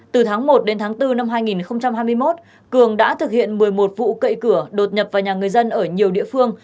từ tháng một đến tháng bốn năm hai nghìn hai mươi một cường đã thực hiện một mươi một vụ cậy cửa đột nhập vào nhà người dân ở nhiều địa phương